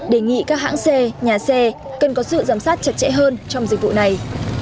đề nghị các hãng xe nhà xe cần có sự giám sát chặt chẽ hơn trong dịch vụ này